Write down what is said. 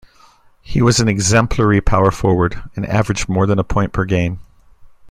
He was an exemplary power forward, and averaged more than a point per game.